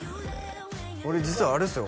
俺実はあれっすよ